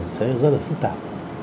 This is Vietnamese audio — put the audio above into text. sẽ rất là phức tạp